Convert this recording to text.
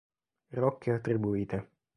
Rocche attribuite